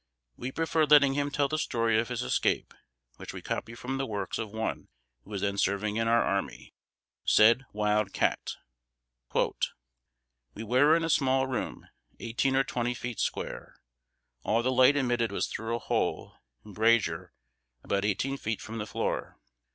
We prefer letting him tell the story of his escape, which we copy from the works of one who was then serving in our army. Said Wild Cat: "We were in a small room, eighteen or twenty feet square. All the light admitted was through a hole (embrasure) about eighteen feet from the floor.